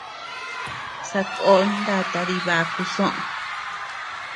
Sakón nata dibaku soʼö.